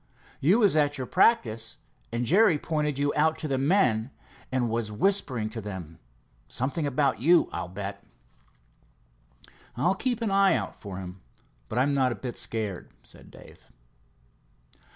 You was at your practice, and Jerry pointed you out to the men, and was whispering to them—something about you, I'll bet." "I'll keep an eye out for him, but I'm not a bit scared," said Dave.